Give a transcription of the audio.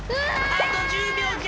あと１０秒じゃ！